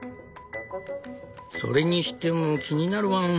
「それにしても気になるワン。